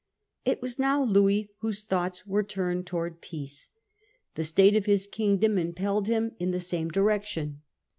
It was now Louis whose thoughts were turned towards peace. The state of his own kingdom impelled Distress in him in the same direction.